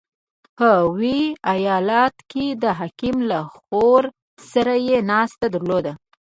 • په ویي ایالت کې د حاکم له خور سره یې ناسته درلوده.